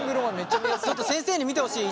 ちょっと先生に見てほしい。